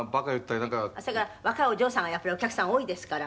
「それから若いお嬢さんがやっぱりお客さん多いですから」